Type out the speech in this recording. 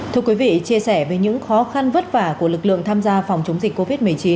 thưa quý vị chia sẻ về những khó khăn vất vả của lực lượng tham gia phòng chống dịch covid một mươi chín